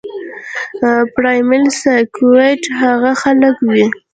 پرايمري سايکوپېت هغه خلک وي